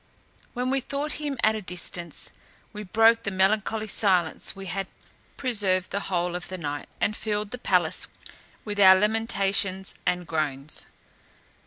When we thought him at a distance, we broke the melancholy silence we had preserved the whole of the night, and filled the palace with our lamentations and groans.